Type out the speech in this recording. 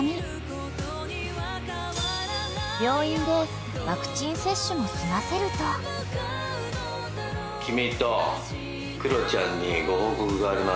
［病院でワクチン接種も済ませると］で。